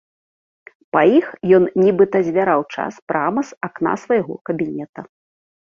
Па іх ён нібыта звяраў час прама з акна свайго кабінета.